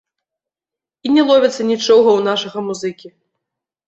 І не ловіцца нічога ў нашага музыкі.